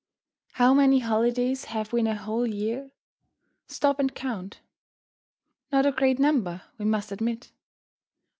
How many holidays have we in a whole year? Stop and count. Not a great number, we must admit.